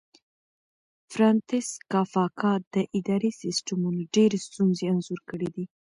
فرانتس کافکا د اداري سیسټمونو ډېرې ستونزې انځور کړې دي.